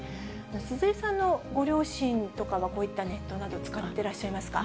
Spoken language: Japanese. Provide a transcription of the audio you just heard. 鈴江さんのご両親とかは、こういったネットなど使われていますか？